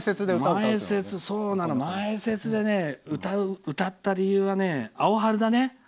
前説でね、歌った理由はね「アオハル」だね。